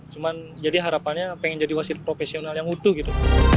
cuman jadi harapannya pengen jadi wasit profesional yang utuh gitu